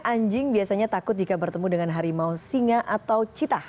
anjing biasanya takut jika bertemu dengan harimau singa atau citah